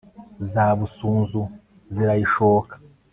za busunzu zirayishoka